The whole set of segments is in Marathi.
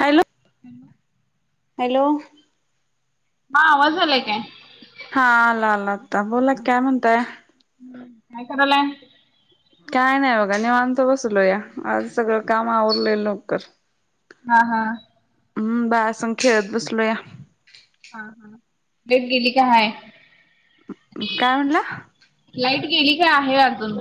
हॅलो. [unintelligible] हॅलो. हा आवाज यालाय काय? हा आला आला आता, बोला की काय म्हणताय? ह् काय करालाय? काय नाही बघा निवांत बसलोया, आज सगळं काम आवरले लवकर. हा हा. हम्म बालसंग खेळत बसलोया. हा हा, लइट गेली काय हाय? काय म्हणला? लाईट गेली काय आहे अजून?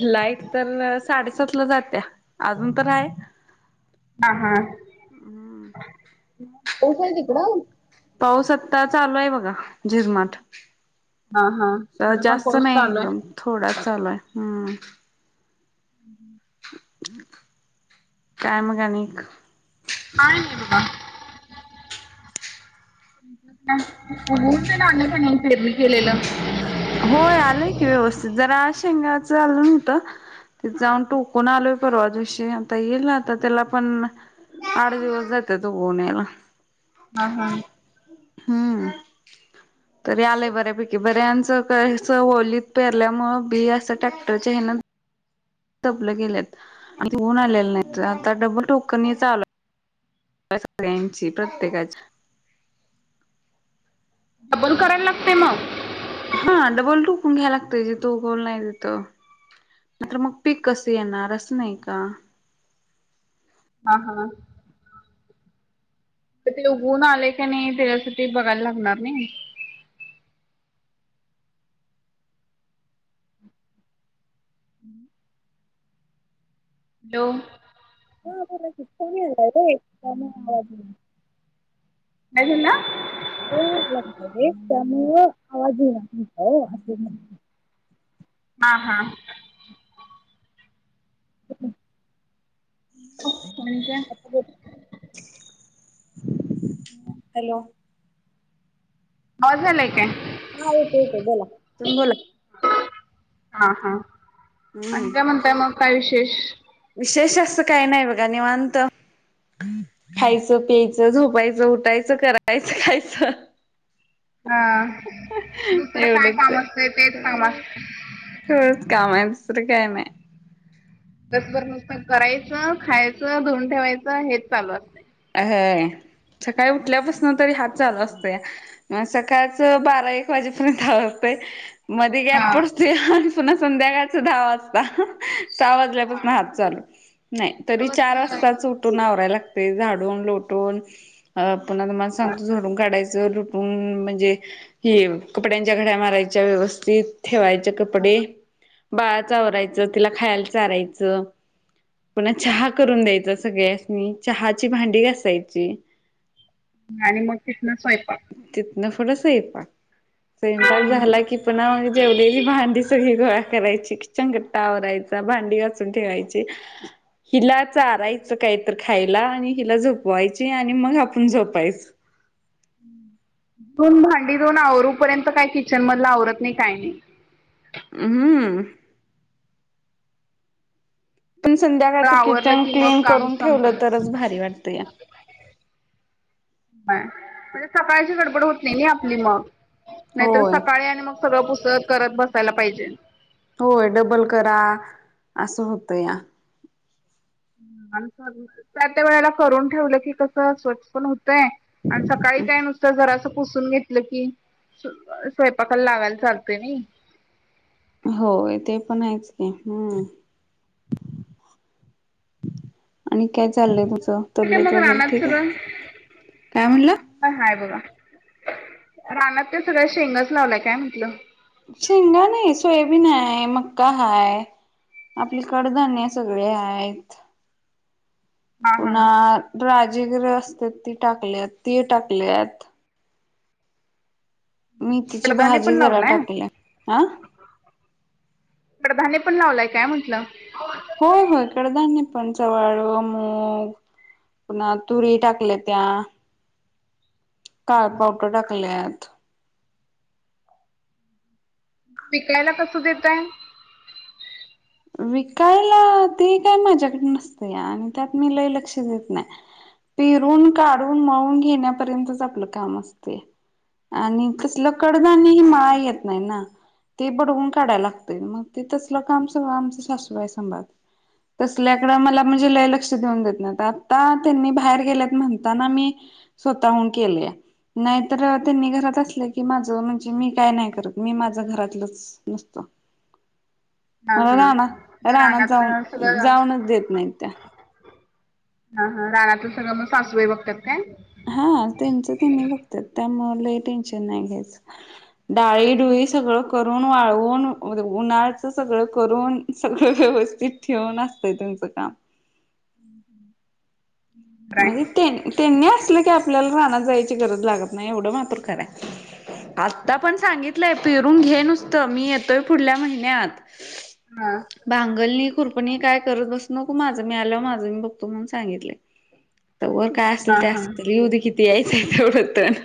लाईट तर साडेसातला जात्या, अजून तर हाय. हा हा, पऊस हाय तिकडं? पऊस आता चालू आहे बघा, झिरमाठ. हा हा इकडे पण जास्त पाऊस नाही चालू आहे. एकदम थोडा चालू हाय, हम्म. हम् काय मग आनिक बा [inaudible] उगवून तर आलं की नाय पेरणी केलेलं होय आलंय की व्यवस्थित जरा शेंगाचं झालं नव्हतं त जाऊन टोकून आलो परवा दिशी आता येईल आता त्याला पण आठ दिवस जाते तो उगवून यायला हा हा हम्म तरी आलंय बऱ्यापैकी बऱ्यांचं कस होलीत पेरल्यामुळं बी असं ट्रॅक्टरच्या हेन पलं गेलेऊन आलेलं नाही आता डबल ठोक चाल सगळ्यांची प्रत्येकाच डबल करायला लागते मग हा डबल टोकून घ्यायला लागत ज तो गोल नाही तथ म तर मग पीक कस येणार असं नाही का हा हा तिकडे उघून आले का नाही त्याच्यासाठी बघायला लागणार नाही हॅलो [inaudible] आवाज काय बोलला [inaudible] त्यामुळ आवाज येईना असे म्हणले हा हा म्हणजे [inaudible] हॅलो आवाज यायलाय काय हा येतोय येतोय बोला तुम्ही बोला हा हा हम्म आणि काय म्हणताय मग काय विशेष विशेष असतं काही नाही बघा निवांत खायचं प्यायचं झोपायचं उठायचं करायचं खायचं हा दुसरं काय एवढंच काम असते तेच काम असत खरंच काम आहे दुसरं काय नाही दिवसभर नुसतं करायचं खायचं धुऊन ठेवायचं हेच चालू असतं अ सकाळी उठल्यापासून तरी हात चालू असतय म सकाळच बारा एक वाजेपर्यंत आवरतय मध्ये गॅप हा पडतो आणि पुन्हा संध्याकाळच दहा वाजता सहा वाजल्यापासून हात चालू नाही तरी चार रोज वाजताच उठून आवरायला लागते झाड लोटून मला सांगतो झडून काढायचं म्हणजे हि कपड्यांच्या घड्या मारायच्या व्यवस्थित ठेवायचे कपडे बाळाचावरायचं तिला खायला चारायचं पुण चहा करून द्यायचं सगळ्यासनी चहाची भांडी घासायची आणि मग तिथन स्वयंपाक तिथंन पुढं स्वयंपाक स्वयंपाक झाला की पुन्हा मग जेवलेली भांडी सगळी गोळा करायची चगट्टा आवयचा भांडी वाचून ठेवायची हिला चारायचं काहीतर खायला आणि हिला झोपवायची आणि मग आपण झोपायचं तुम भांडी देऊन आवरूपर्यंत काही किचन मधला आवरत नाही काही नाही हम् पण सगळं संध्याकाळचं आवरलं किचन की मग क्लीन काम करून संपलं ठेवलं तरच भारी वाटतं या म्हणजे सकाळची गडबड होत नाही ना आपली मग नाहीतर होय सकाळी आणि मग सगळं पुस्तक करत बसायला पाहिजे होय डबल करा असं होतं या त्या त्या वेळेला करून ठेवलं की कस स्वच्छ पण होतय आणि सकाळी काय नुस तं जरा अस पुसून घेतलं की स्वयंपाकाला लावायला चालतय नाही. हो, ते पण आहेच कि हम्. आणि काय चाललंय तुझं? ते काय तब्येत मग वगैरे रानात ठीक आहे? काय म्हणलं? ह हाय बघा, रानात ते सगळ शेंगच लावलाय काय म्हटलं? शेंगा नाही, सोयाबीन हाय, मक्का हाय आपले कडधान्य सगळे आहेत. हा हा पुन्हा राजीगर असत्यात ते टाकल्यात ते टाकले. मेथीची कडधान्य भाजी पण जरा लावलाय टाकली. हं? कडधान्य पण लावलाय काय म्हटलं? होय होय कडधाण्य पण म्हंटल पंचाळू, मूग पुन्हा तुरी टाकले त्या. काळ पावता टाकल्या. वीकायला कसं देताय? विकायला ते काय माझ्याकडे नसतेया आणि त्यात मी लय लक्ष देत नाही. पेरून, काढून, मळून घेण्यापर्यंतच आपलं काम असतं. आणि कसलं कडदाण्य हे मळायला येत नाही ना. ते बडवून काढायला लागतय, मग ते तसलं काम आमच्या सासूबाई संभाळतात. तसल्याकडें मला म्हणजे लय लक्ष देऊन देत नाही आता त्यांनी बाहेर गेलेत म्हणताना मी स्वतः हुन केेलेया. नाही तरं त्यांनी घरात असलं की, माझ म्हणजे मी काय नाही करत मी माझं घरातलंच नसत हा हा रानात रानातन जाऊन सगळ जाऊनच देत नाहीत त्या. हा हा रानातलं सगळं मग सासूबाई बघतात काय? हा त्यांच त्यांनी बघत्यात त्यामुळे लाई टेन्शन नाही घ्यायचं. डाळी डुळी सगळं करून वाळवून, उन्हाळ्याचं सगळं करून सगळं व्यवस्थित ठेवून असतंय त्यांचं काम. हम् हं. म्हणजे तेन त्यांनी असलं की, आपल्याला रानात जायची गरज लागत नाही एवढं मात्र खरय. आता पण सांगितलंय पेरून घे नुसतं, मी येतोय पुुढल्या महिन्यात. हा. बांगलनी, कुरपणी काय करत बसू नको माझं मी आल्यावर माझं मी बघतो, म्हणून सांगितलंय. तर वर काय हा असेल ते अस हा ये उदी किती यायचं तेवढं तण.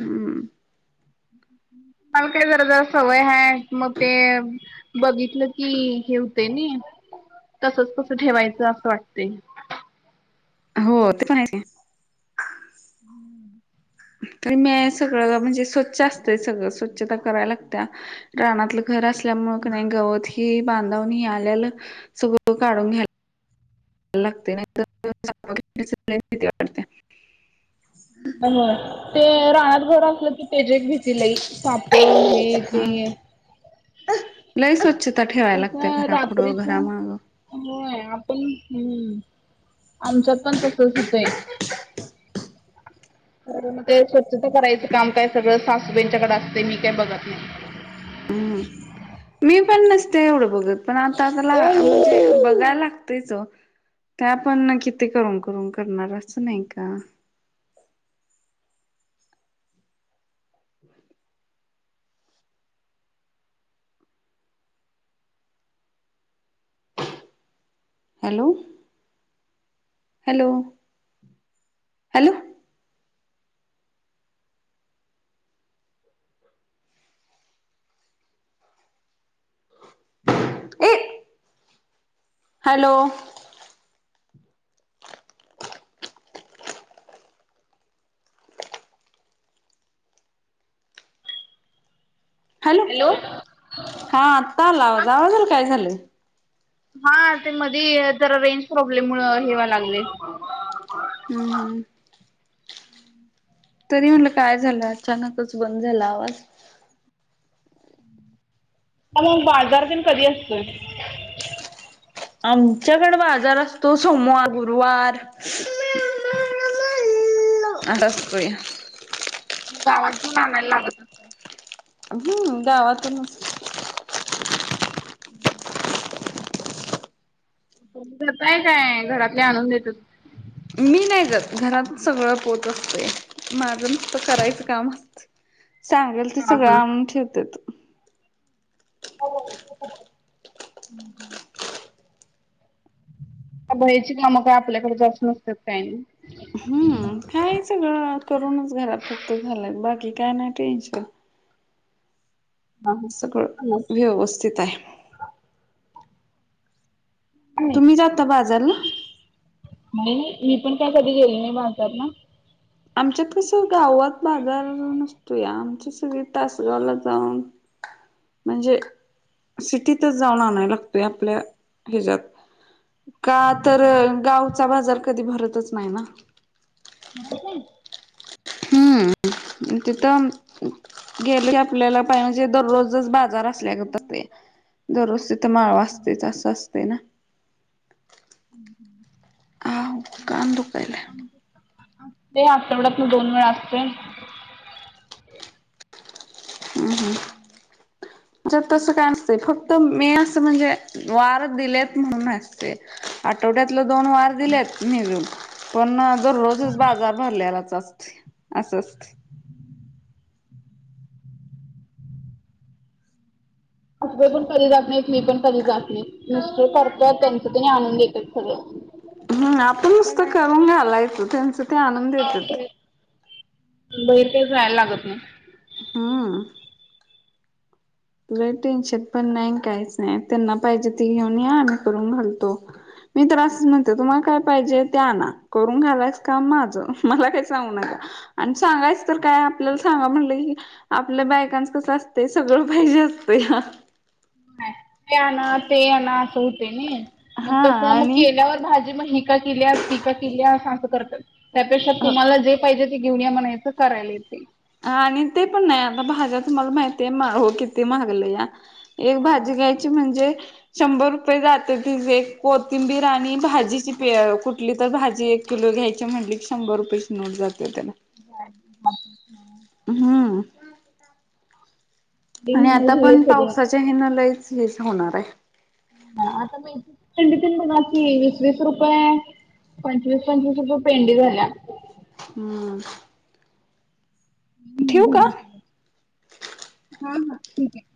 हम्म काय जरा सवय हाय मग ते बघितलं की हेवते न तसच कस ठेवायचं असं वाटते. हो ते पण आहे कि [inaudible] तरी म सगळं म्हणजे स्वच्छ असतंय सगळं स्वच्छता करायला लागत्या. रानातलं घर असल्यामुंळ क नाही गवत हे बांधवणी आल्यालं सगळं काढून घ्यायला लागते नाही तरिती वाते [unintelligible] हो ते रानात घर असलं कि त्याची एक भीती लई साप हे हा ते. लय स्वच्छता ठेवायला लागते, कसं घरा पुुढं रात्रीच घरामागं. होय आपण, हम् आमच पण तसच होतंय. तर मग ते स्वच्छता करायचं काम काय सगळं सासूबंच्याकडे असते मी काय बघत नाही. हम्. मी पण नसते एवढं बघत, पण आता आ बघायला लागतच. त्या पण ना किती करून करून करणार असं नाही का? हॅलो? हॅलो? हॅलो? ए, हॅलो? हॅलो. हा. आत्ता आला आवाज. आवाजाला काय झालंय? हा. ते मधे जरा रेंज प्रॉब्लेममुळे हे व्हायला लागलय. हम् हम्म. तरी म्हटलं काय झालं? अचानकच बंद झाला आवाज. ह मग बाजार पण कधी असतोय? आमच्याकडे बाजार असतो सोमवार, गुरुवार. असा असतोय गावात जाऊन आणाव लागत. असेल. हम्म. गावातूनच. हम्म. तुम्ही जाताय काय? घरातले आणून देतात. मी नाही जात. घरात सगळं पोत असतय. माझं- करायचं काम. सांगेल ते हा सगळं हा आणून ठेवतात. बाहेरची कामं काय आपल्याकडे जास नसतात काही नाही. हम्म. काय सगळं करूनच घरात फक्त झालंय. बाकी काय नाही टेन्शन. हा सगळं हा. व्यवस्थित आहे. तुम्ही जाता बाजारला? नाही नाही. मी पण काय कधी गेले नाही बाजारला. आमच्यात कसं? गावात बाजार नसतोया. आमची सगळे तासगावला जाऊन- [unintelligible] [inaudible] म्हणजे, सिटीतच जाऊन आणाय लागतोय आपल्या ह्याच्यात. का? तर गावचा बाजार कधी भरतच नाही ना. [unintelligible] ह. तिथं- गेले आपल्याला [unintelligible] दररोजच बाजार असल्यागत [unintelligible] दररोज तिथं माळ [unintelligible] असं असतय ना? हम् ह. आव कान दुखायलाय. तो आठवड्यातन दोन वेळा असतो - हम् ह. जर तस काय असत फक्त मे असं म्हणजे- वार दिलेत म्हणून असते. आठवड्यातलं दोन वार दिलेत नेमून. पण दररोजच बाजार भरलेलाच असतोय. असं असतंय. [unintelligible] मी पण कधी जात नाही मिस्टर करतोय त्यांच त्यांनी आणून देतात. हो. हम्. आपण नुसत करून घालायचं त्यांचा ते आणून देतात. मुंबई ते जायला लागत नाही. हम. टेन्शन पण नाही काहीच नाही. त्यांना पाहिजे त घेऊन या. आम्ही करून घालतो. मी तर असच म्हणते. तुम्हाला काय पाहिजे ते आणा. करून घालायच काम माझं मला काही सांगू नका. आणि सांगायच तर काय? आपल्याला सांगा म्हणलं की आपल्या बायकांच कसं असतय? सगळं- पाहिजे असतया. ते आणा, ते आणा असं होतय नाही? मग हा कस मग आणि केल्यावर भाजी म ही - का केलियास? ती का केलियास? असं करतात. त्यापेक्षा तुम्हाला जे पाहिजे ते घेऊन या म्हणायचं- करायल ते. आणि ते पण नाही. आता भाज्या तुम्हाला माहिती आहे. हो किती महागलेल्या. एक होय. भाजी घ्यायची म्हणजे- शंभर रुपये जाते ति. एक कोथिंबीर आणि भाजीची प कुठली तर भाजी एक- किलो घ्यायचे म्हटली की शंभर रुपयेची नोट जाते त्याला. [unintelligible] हम्म. आणि आता झालं पण सगळं पावसाचे हे नलय हेच होणार आहे आता मेथीची पेंडी तेन म्हणा की वीस वीस रुपये पंचवीस पंचवीस रुपे पेंडी ग ना हम्म ह् ठेवू का ब हा हा ठीक आहे